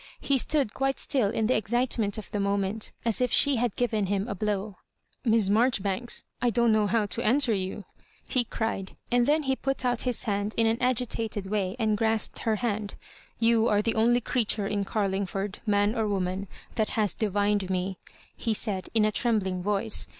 He stood quite still in the excitement of the moment, as if siie had given him a blow. " Miss Marjoribanks, I don't know how to answer you," he oried; and then he put out his hand in an* agitated way and grasped her hand. You are the only creature in Carling ford, man or woman, that has divined me,'' he said, in a trembling voice.